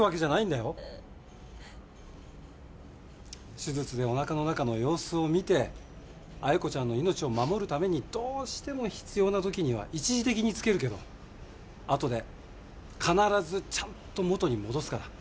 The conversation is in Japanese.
手術でおなかの中の様子を見て愛子ちゃんの命を守るためにどうしても必要な時には一時的につけるけどあとで必ずちゃんと元に戻すから。